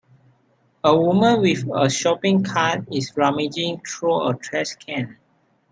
a woman with a shopping cart is rummaging through a trashcan.